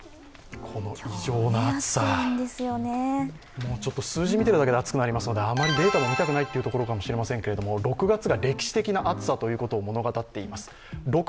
この異常な暑さ、数字見ているだけで暑くなりますので、データを見たくないところはありますけれども、６月が歴史的な暑さということを物語っています。